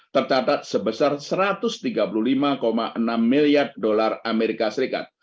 tercatat sebesar satu ratus tiga puluh lima enam miliar dolar amerika serikat